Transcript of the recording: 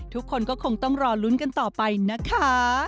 ทุกคนก็คงต้องรอลุ้นกันต่อไปนะคะ